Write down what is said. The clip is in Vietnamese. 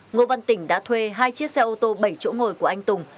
ngô văn tỉnh đã thuê hai chiếc xe ô tô bảy chỗ ngồi của anh tùng